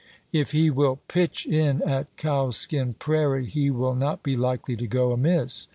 If he will pitch in at Cowskin Prairie he will not be likely to go amiss.